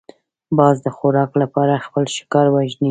باز د خوراک لپاره خپل ښکار وژني